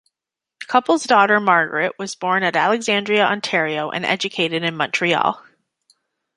The couple's daughter Margaret was born at Alexandria, Ont., and educated in Montreal.